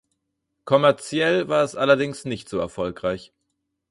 Kommerziell war es allerdings nicht so erfolgreich.